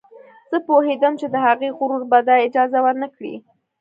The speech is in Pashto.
زه پوهېدم چې د هغې غرور به دا اجازه ور نه کړي